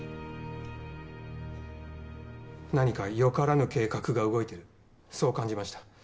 何か良からぬ計画が動いてるそう感じました。